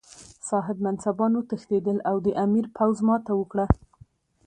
صاحب منصبان وتښتېدل او د امیر پوځ ماته وکړه.